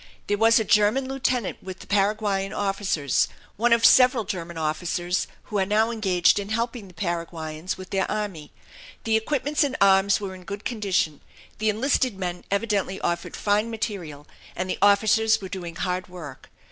There was a German lieutenant with the Paraguayan officers; one of several German officers who are now engaged in helping the Paraguayans with their army. The equipments and arms were in good condition; the enlisted men evidently offered fine material; and the officers were doing hard work.